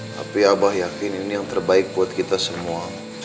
tapi abah yakin ini yang terbaik buat kita semua